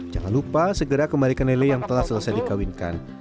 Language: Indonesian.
jangan lupa segera kembalikan lele yang telah selesai dikawinkan